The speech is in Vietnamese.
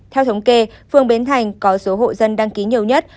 theo thống kê phường bến thành có số hộ dân đăng ký nhiều nhất